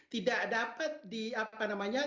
tidak dapat di apa namanya